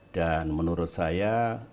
dan menurut saya